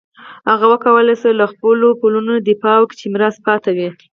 هغه وکولای شول له هغو پولو نه دفاع وکړي چې میراث پاتې وې.